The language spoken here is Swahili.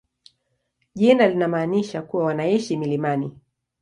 Jina linamaanisha kuwa wanaishi milimani.